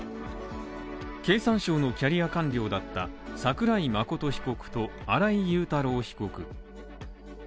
経産省のキャリア官僚だった桜井真被告と新井雄太郎被告。